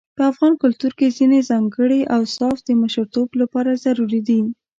په افغان کلتور کې ځينې ځانګړي اوصاف د مشرتوب لپاره ضروري دي.